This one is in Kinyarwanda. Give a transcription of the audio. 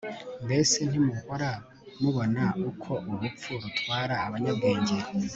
mbese ntimuhora mubona uko urupfu rutwara abanyabwenge